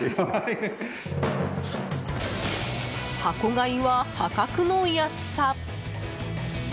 箱買いは、破格の安さ！